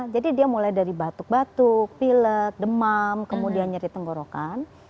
jadi dia mulai dari batuk batuk pilet demam kemudian nyeri tenggorokan